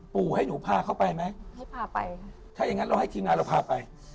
ให้หนูพาเขาไปไหมให้พาไปค่ะถ้าอย่างงั้นเราให้ทีมงานเราพาไป